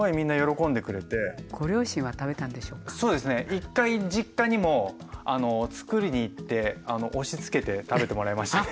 １回実家にもつくりに行って押しつけて食べてもらいましたね。